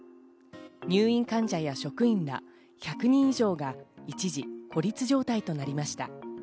入院患者や職員ら１００人以上が一時、孤立状態となりました。